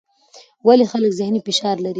ولې خلک ذهني فشار لري؟